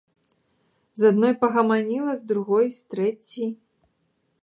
З адной пагаманіла, з другой, з трэцяй.